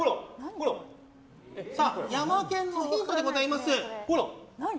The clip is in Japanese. ヤマケンのヒントでございます。